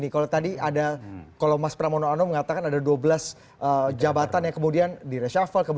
golkar sebenarnya romo romo